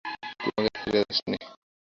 তুই আমাকে ছাড়িয়া যাস নে।